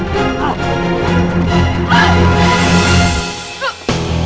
kamu gak apa apa kan